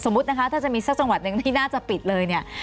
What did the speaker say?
นะคะถ้าจะมีสักจังหวัดหนึ่งที่น่าจะปิดเลยเนี่ย